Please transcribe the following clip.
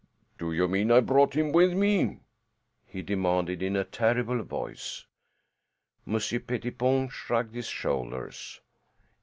"Do you mean I brought him with me?" he demanded in a terrible voice. Monsieur Pettipon shrugged his shoulders.